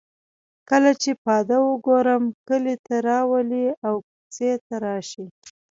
کله چې پاده او ګورم کلي ته راولي او کوڅې ته راشي.